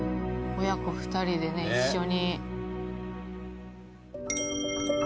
親子２人でね一緒に。